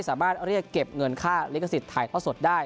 สามารถเรียกเก็บเงินค่าลิขสิทธิ์ถ่ายทอดสดได้